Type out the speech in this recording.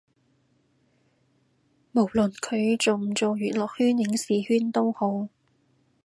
無論佢做唔做娛樂圈影視圈都好